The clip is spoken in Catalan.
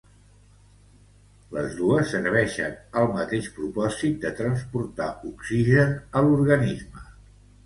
Les dos servixen al mateix propòsit de transportar oxigen a l'organisme.